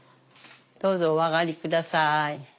どうぞお上がり下さい。